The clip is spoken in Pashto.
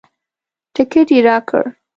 ټکټ یې راکړ.